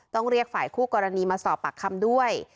ต้องเรียกฝ่ายคู่กรณีมาสอบปากคำด้วย